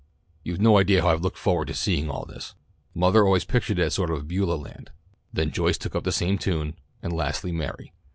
"You've no idea how I've looked forward to seeing all this. Mother always pictured it as a sort of Beulah land. Then Joyce took up the same tune, and lastly Mary.